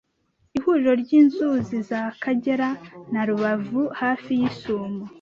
Ihuriro ry'inzuzi za Kagera na Ruvubu hafi y'isumo